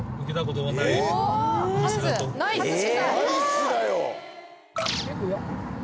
ナイスだよ！